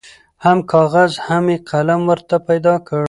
هم کاغذ هم یې قلم ورته پیدا کړ